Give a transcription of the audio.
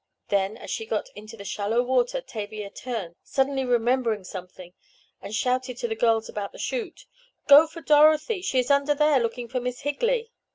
Then, as she got into shallow water Tavia turned, suddenly remembering something, and shouted to the girls about the chute: "Go for Dorothy! She is under there, looking for Miss Higley!"